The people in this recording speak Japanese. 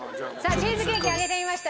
チーズケーキ揚げてみました。